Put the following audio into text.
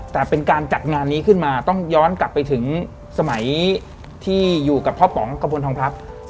แต่เป็นการจัดงานนี้ขึ้นมาต้องย้อนกลับไปถึงสมัยที่อยู่กับพ่อป๋องกระบวนทองพัก